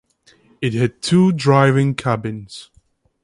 It had two driving cabins.